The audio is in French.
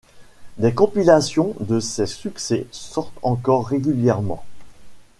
Des compilations de ses succès sortent encore régulièrement.